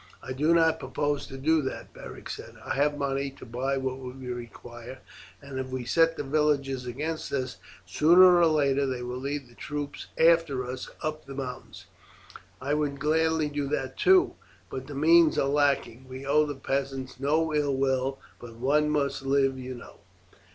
"I do not propose to do that," Beric said; "I have money to buy what we require; and if we set the villagers against us, sooner or later they will lead the troops after us up the mountains." "I would gladly do that too, but the means are lacking. We owe the peasants no ill will, but one must live, you know."